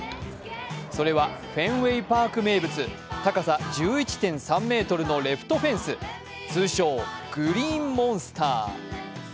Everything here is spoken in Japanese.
それはフェンウェイ・パーク名物、高さ１１．３ｍのレフトフェンス、通称・グリーンモンスター。